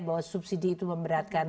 bahwa subsidi itu memberatkan